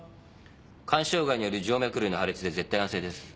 肝障害による静脈瘤の破裂で絶対安静です。